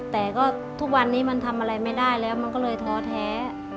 แต่ก็ทุกวันนี้มันทำอะไรไม่ได้แล้วมันก็เลยท้อแท้